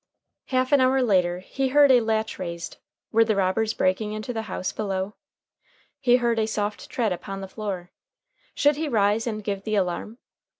Half an hour later he heard a latch raised. Were the robbers breaking into the house below? He heard a soft tread upon the floor. Should he rise and give the alarm?